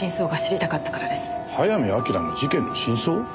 早見明の事件の真相？